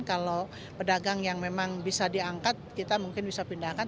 kalau pedagang yang memang bisa diangkat kita mungkin bisa pindahkan